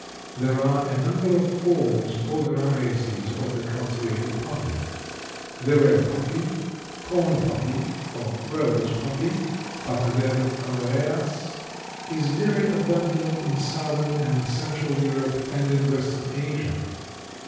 There are a number of forms or varieties of the cultivated poppy. The red poppy, corn poppy, or rose poppy (Papaver Rhoeas) is very abundant in southern and central Europe and in western Asia.